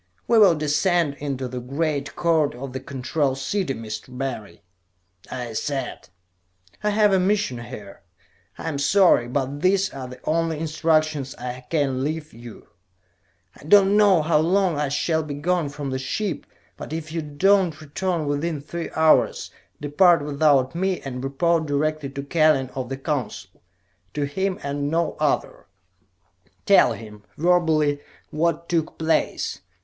"We will descend into the Great Court of the Control City, Mr. Barry," I said. "I have a mission here. I am sorry, but these are the only instructions I can leave you. "I do not know how long I shall be gone from the ship, but if I do not return within three hours, depart without me, and report directly to Kellen of the Council. To him, and no other. Tell him, verbally, what took place.